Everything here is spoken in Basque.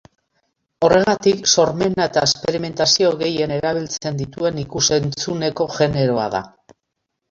Horregatik, sormena eta esperimentazio gehien erabiltzen dituen ikus-entzuneko generoa da.